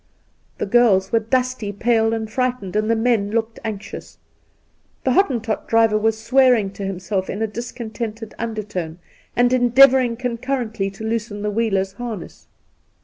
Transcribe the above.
The girls were dusty, pale, and frightened, and the men looked anxious. The Hottentot driver was swearing to himself in a discontented under tone, and endeavouring concurrently to loosen the wheelers' harness.